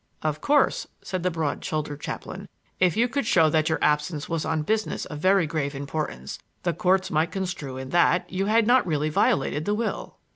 "Of course," said the broad shouldered chaplain, "if you could show that your absence was on business of very grave importance, the courts might construe in that you had not really violated the will."